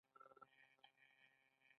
یعنې ووایو چې هغه یو انسان دی.